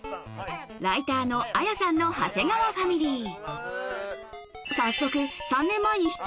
ライターのあやさんのハセガワファミリー